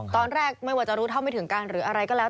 ตอนแรกไม่ว่าจะรู้เท่าไม่ถึงการหรืออะไรก็แล้ว